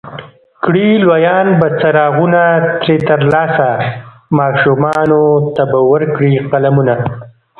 کړي لویان به څراغونه ترې ترلاسه، ماشومانو ته به ورکړي قلمونه